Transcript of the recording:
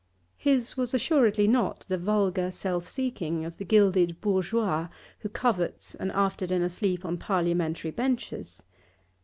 His was assuredly not the vulgar self seeking of the gilded bourgeois who covets an after dinner sleep on Parliamentary benches.